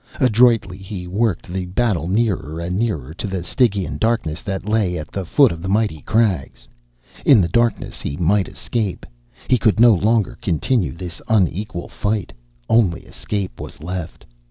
Adroitly he worked the battle nearer and nearer to the Stygian darkness that lay at the foot of the mighty crags. In the darkness he might escape. He could no longer continue this unequal fight. Only escape was left.